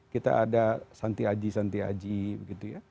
kita ada santi aji santi aji begitu ya